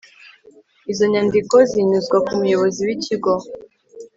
izo nyandiko zinyuzwa ku muyobozi w'ikigo